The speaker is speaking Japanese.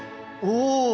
お！